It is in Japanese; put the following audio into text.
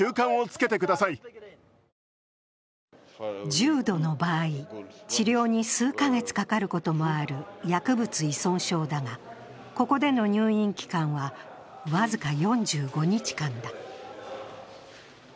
重度の場合、治療に数か月かかることもある薬物依存症だがここでの入院期間は僅か４５日間だ。